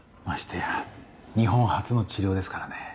ましてや日本初の治療ですからね。